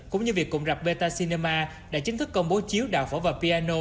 cũng như việc cụng rạp beta cinema đã chính thức công bố chiếu đào phỏ và piano